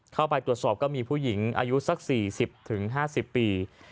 เข้าไปตรวจสอบก็มีผู้หญิงอายุสัก๔๐๕๐ปี